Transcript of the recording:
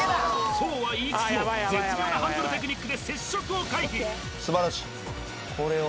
そうは言いつつも絶妙なハンドルテクニックで接触を回避